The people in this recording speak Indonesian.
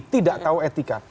tidak tahu etika